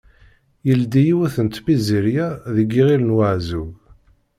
Yeldi yiwet n tpizzirya deg Iɣil-Uɛeẓẓug.